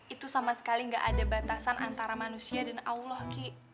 itu sama sekali nggak ada batasan antara manusia dan allah ki